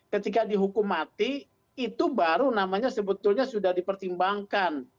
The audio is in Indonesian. ketika dihukum mati itu baru namanya sebetulnya sudah dipertimbangkan